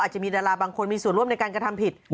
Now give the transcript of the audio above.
จะมีดาราบางคนมีส่วนร่วมในการกระทำผิด